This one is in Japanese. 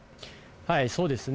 そうですね。